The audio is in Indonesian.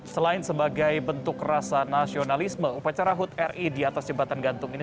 selain sebagai bentuk rasa nasionalisme upacara hud ri di atas jembatan gantung ini